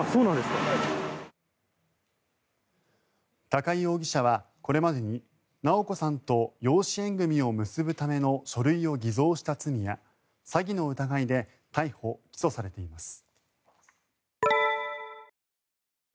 高井容疑者はこれまでに直子さんと養子縁組を結ぶための書類を偽造した罪や詐欺の疑いで逮捕・起訴されています。